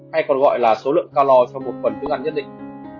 hay còn gọi là số lượng calor cho một phần thức ăn nhất định